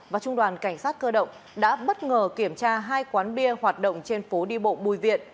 và trung đoàn cảnh sát cơ động đã bất ngờ kiểm tra hai quán bia hoạt động trên phố đi bộ bùi viện